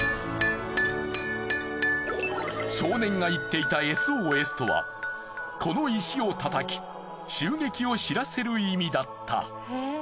少年が言っていたＳＯＳとはこの石を叩き襲撃を知らせる意味だった。